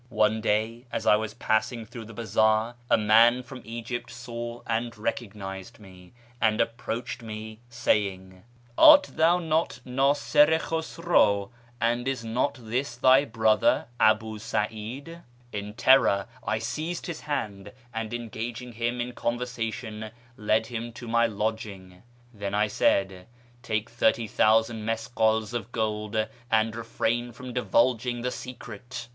One day, as I was passing through the bazaar, a man from Egypt saw and recognised me, and approached me, saying, ' Art thou not Niisir i Khusraw, and is not this thy brother Abu Sa'id ?' In terror I seized his hand, and, engaging him in conversation, led him to my lodging. Then I said, ' Take thirty thousand miskals of gold, and refrain from divulg ing the secret.'